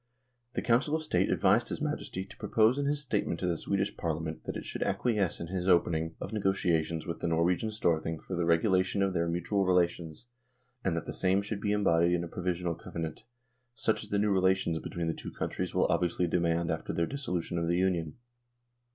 The Council of State advised his Majesty to pro pose in his statement to the Swedish Parliament that it should acquiesce in his opening of negotiations with the Norwegian Storthing for the regulation of their mutual relations, and that the same should be embodied in a provisional covenant, such as the new relations between the two countries will obviously demand after the dissolution of the Union.